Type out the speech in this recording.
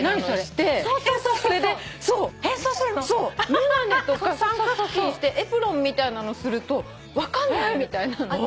眼鏡とか三角巾してエプロンみたいなのすると分かんないみたいなのね。